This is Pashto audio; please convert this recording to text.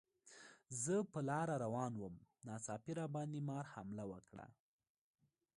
زه په لاره روان وم، ناڅاپي راباندې مار حمله وکړه.